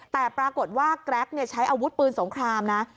แต่ปรากฏว่าแกรกใช้อาวุธปืนสงครามนะ